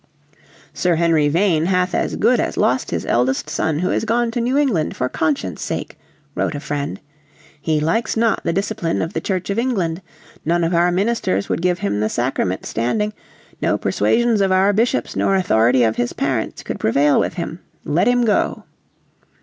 "Sir Henry Vane hath as good as lost his eldest son who is gone to New England for conscience' sake," wrote a friend. "He likes not the discipline of the Church of England. None of our ministers would give him the Sacrament standing: no persuasions of our Bishops nor authority of his parents could prevail with him. Let him go."